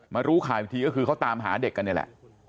มารู้ขายทีก็คือเขาตามหาเด็กกันแหละ